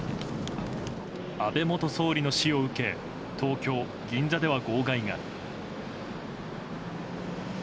安倍元総理の死を受け東京・銀座では号外が。